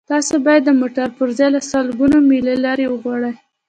تاسو باید د موټر پرزې له سلګونه میله لرې وغواړئ